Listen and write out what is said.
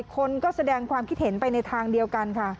คนก็แสดงความคิดเห็นไปในทางเดียวกันค่ะ